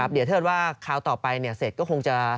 เดี๋ยวเทิดว่าคราวต่อไปเสร็จก็คงจะ